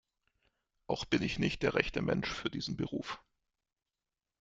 Auch bin ich nicht der rechte Mensch für diesen Beruf.